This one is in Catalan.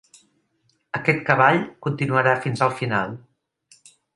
Aquest cavall continuarà fins al final.